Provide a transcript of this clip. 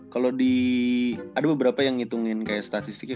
kalau di ada beberapa yang ngitungin kayak statistiknya